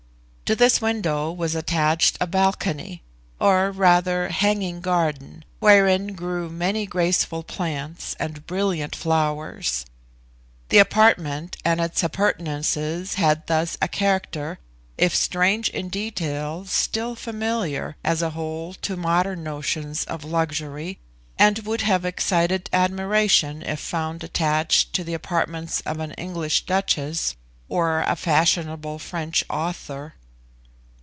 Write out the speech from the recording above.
To this window was attached a balcony, or rather hanging garden, wherein grew many graceful plants and brilliant flowers. The apartment and its appurtenances had thus a character, if strange in detail, still familiar, as a whole, to modern notions of luxury, and would have excited admiration if found attached to the apartments of an English duchess or a fashionable French author.